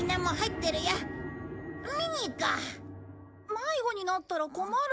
迷子になったら困る。